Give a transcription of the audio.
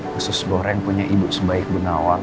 khusus goreng punya ibu sebaik bu nawang